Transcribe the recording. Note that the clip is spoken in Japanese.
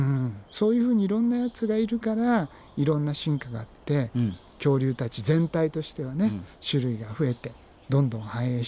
そういうふうにいろんなやつがいるからいろんな進化があって恐竜たち全体としては種類が増えてどんどん繁栄していくっていうね